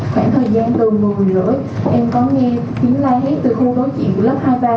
khoảng thời gian từ một mươi h ba mươi em có nghe tiếng lai hét từ khu đối chuyện lớp hai ba